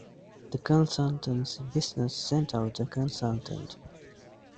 The consultancy business sent out a consultant.